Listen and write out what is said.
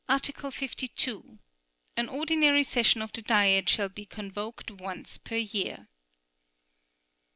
Article 52. An ordinary session of the Diet shall be convoked once per year.